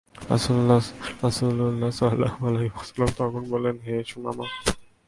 রাসূলুল্লাহ সাল্লাল্লাহু আলাইহি ওয়াসাল্লাম তখন বললেন, হে সুমামা!